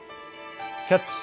「キャッチ！